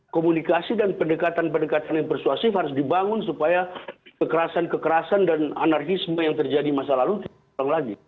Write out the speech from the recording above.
komunikasi dan pendekatan pendekatan yang persuasif harus dibangun supaya kekerasan kekerasan dan anarkisme yang terjadi masa lalu tidak terulang lagi